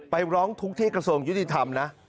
ร้องทุกข์ที่กระทรวงยุติธรรมนะ